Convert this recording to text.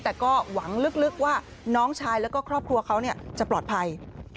แต่ก็หวังลึกว่าน้องชายแล้วก็ครอบครัวเขาจะปลอดภัย